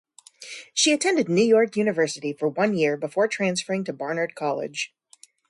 She attended New York University for one year before transferring to Barnard College.